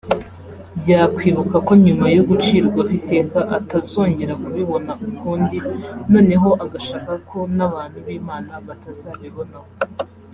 yakwibuka ko nyuma yo gucirwaho iteka atazongera kubibona ukundi noneho agashaka ko n’abantu b’Imana batazabibonaho